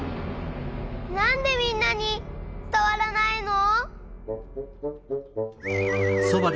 なんでみんなにつたわらないの！？